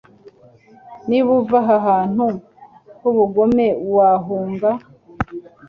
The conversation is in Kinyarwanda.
Niba uva aha hantu h'ubugome wahunga